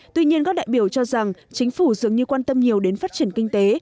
tuy nhiên các đại biểu cho rằng chính phủ dường như quan tâm nhiều đến phát triển kinh tế